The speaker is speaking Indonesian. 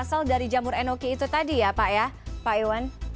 asal dari jamur enoki itu tadi ya pak ya pak iwan